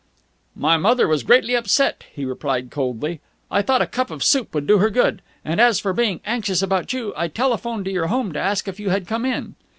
"My mother was greatly upset," he replied coldly. "I thought a cup of soup would do her good. And, as for being anxious about you, I telephoned to your home to ask if you had come in."